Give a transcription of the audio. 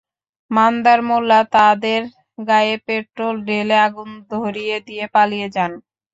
মান্দার মোল্লা তাদের গায়ে পেট্রল ঢেলে আগুন ধরিয়ে দিয়ে পালিয়ে যান।